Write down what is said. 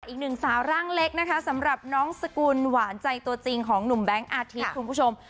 อีกหนึ่งสาวร่างเล็กนะคะสำหรับน้องสกุลหวานใจตัวจริงของหนุ่มแบงค์อาทิตย์คุณผู้ชม